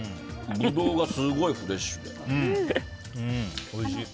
ブドウが、すごいフレッシュで。